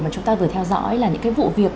mà chúng ta vừa theo dõi là những cái vụ việc